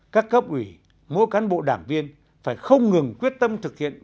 các cấp ủy mỗi cán bộ đảng viên phải không ngừng quyết tâm thực hiện